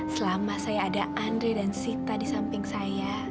selama saya ada andre dan sita di samping saya